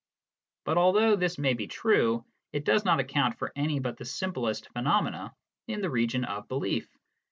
But although this may be true, it does not account for any but the simplest phenomena in the region of belief.